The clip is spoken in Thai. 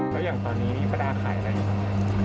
แล้วอย่างตอนนี้ป้าดาขายอะไรอยู่ตรงนี้